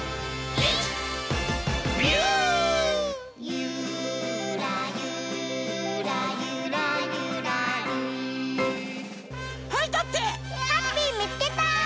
ハッピーみつけた！